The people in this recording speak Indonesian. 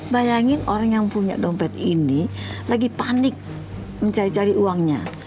bayangin orang yang punya dompet ini lagi panik mencari cari uangnya